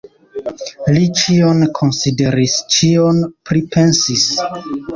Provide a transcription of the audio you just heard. Li ĉion konsideris, ĉion pripensis.